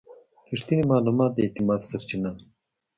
رښتینی معلومات د اعتماد سرچینه ده.